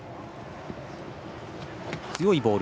強いボール。